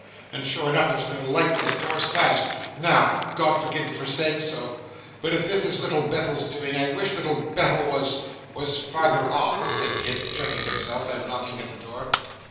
And sure enough there's no light, and the door's fast. Now, God forgive me for saying so, but if this is Little Bethel's doing, I wish Little Bethel was was farther off,' said Kit checking himself, and knocking at the door.